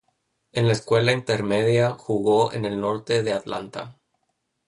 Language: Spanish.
En la escuela intermedia, jugó en el norte de Atlanta.